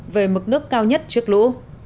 về mực nước cao nhất trước lũ